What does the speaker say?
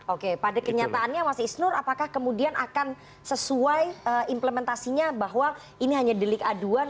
oke pada kenyataannya mas isnur apakah kemudian akan sesuai implementasinya bahwa ini hanya delik aduan